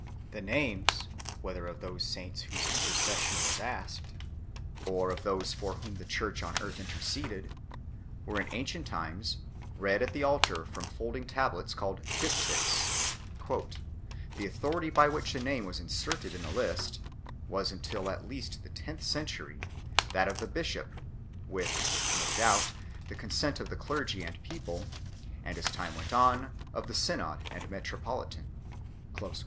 The names, whether of those saints whose intercession was asked, or of th^se for whom the Church on earth interceded, were in ancient times read at the altar from folding tablets, called diptychs. " The authority by which a name was inserted in this list... was, until at least the tenth century, that of the bishop, with (no doubt) the consent of his clergy and people, and, as time went on, of the synod and metropolitan 6 ."